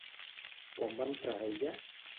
Quan va entrar ella?